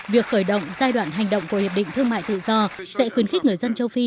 việc khởi động giai đoạn hành động của hiệp định thương mại tự do sẽ khuyến khích người dân châu phi